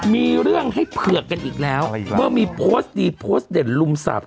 มีเรื่องให้เผือกกันอีกแล้วเมื่อมีโพสต์ดีโพสต์เด่นลุมสับ